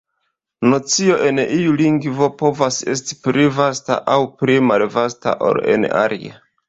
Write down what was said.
Nocio en iu lingvo povas esti pli vasta aŭ pli malvasta ol en alia.